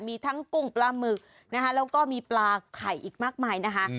มีทั้งกุ้งปลาหมึกนะคะแล้วก็มีปลาไข่อีกมากมายนะคะ